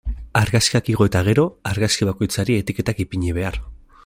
Argazkiak igo eta gero, argazki bakoitzari etiketak ipini behar.